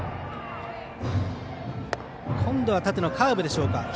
今度は縦のカーブでしょうか。